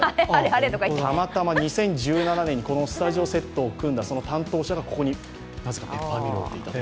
たまたま２０１７年にこのスタジオセットを組んだ担当者がここになぜかペッパーミルを置いていたと。